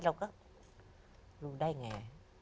เราก็รู้ได้ไง